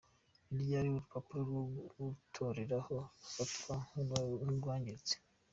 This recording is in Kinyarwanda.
Ni ryari uru rupapuro rwo gutoreraho rufatwa nk’urwangiritse ?